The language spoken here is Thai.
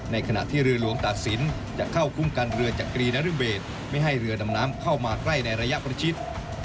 ขณะที่เรือหลวงตัดสินจะเข้าคุ้มกันเรือจักรีนรเบศไม่ให้เรือดำน้ำเข้ามาใกล้ในระยะประชิด